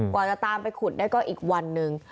กว่าจะตามไปขุดได้ก็อีกวันหนึ่ง